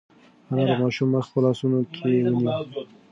انا د ماشوم مخ په لاسونو کې ونیو.